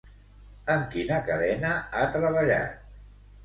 Amb quina cadena ha treballat?